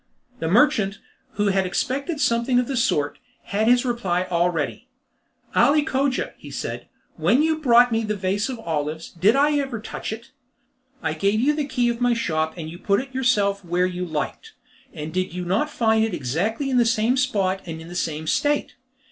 The merchant, who had expected something of the sort, had his reply all ready. "Ali Cogia," he said, "when you brought me the vase of olives did I ever touch it?" "I gave you the key of my shop and you put it yourself where you liked, and did you not find it in exactly the same spot and in the same state?